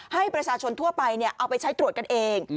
ให้ประชาชนทั่วไปเอาไปใช้ตรวจกันเอง